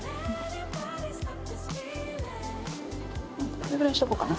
これぐらいにしておこうかな。